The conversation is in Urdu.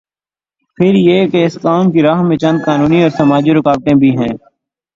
پھر یہ کہ اس کام کی راہ میں چند قانونی اور سماجی رکاوٹیں بھی ہیں۔